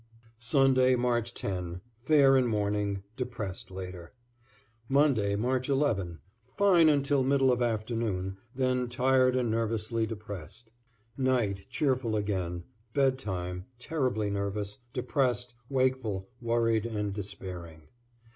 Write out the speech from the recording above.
Sunday, March 10 Fair in morning; depressed later. Monday, March 11 Fine until middle of afternoon, then tired and nervously depressed. Night, cheerful again; bedtime, terribly nervous, depressed, wakeful, worried and despairing.